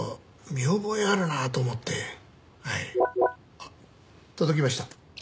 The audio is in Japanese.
あっ届きました。